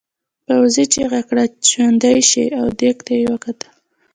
پوځي چیغه کړه ژوندي شئ او دېگ ته یې وکتل.